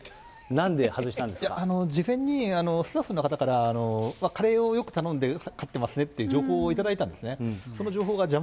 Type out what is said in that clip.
事前にスタッフの方から、カレーをよく頼んで勝ってますねって情報を頂いてたんですね。